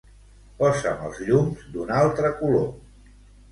Posa'm els llums d'un altre color.